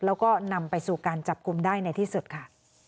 แล้วก็นำไปสู่การจับกลุ่มได้ในที่สุดค่ะ